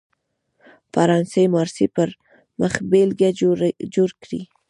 فرانسې مارسي پر مخبېلګه جوړ کړی.